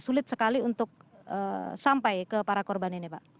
sulit sekali untuk sampai ke para korban ini pak